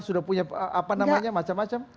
sudah punya apa namanya macam macam